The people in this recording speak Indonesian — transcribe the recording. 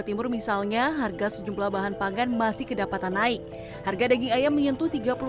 timur misalnya harga sejumlah bahan pangan masih kedapatan naik harga daging ayam menyentuh